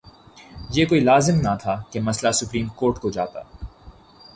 یہ کوئی لازم نہ تھا کہ مسئلہ سپریم کورٹ کو جاتا۔